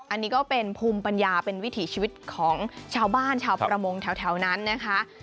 อันนี้ก็เป็นภูมิปัญญาเป็นวิถีชีวิตของชาวบ้านชาวประมงแถวนั้นนะคะ